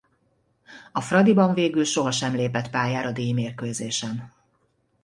A Fradiban végül sohasem lépett pályára díjmérkőzésen.